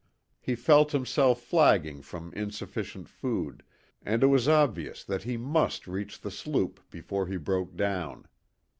He felt himself flagging from insufficient food, and it was obvious that he must reach the sloop before he broke down.